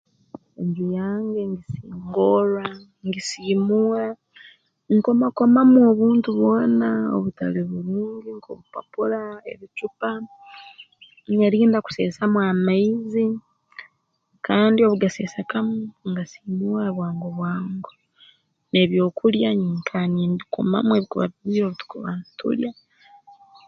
Enju yange ngisingorra ngisiimura nkomakomamu obuntu bwona obutali burungi nk'obupapura ebucupa nyerinda kuseesamu amaizi kandi obu gaseesekamu ngasiimuura bwango bwango n'ebyokulya nyikara nimbikomamu obu bikuba bigwire obu tukuba ntulya